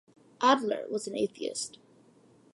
Adler was an atheist.